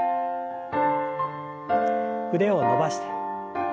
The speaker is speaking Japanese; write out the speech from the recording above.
腕を伸ばして。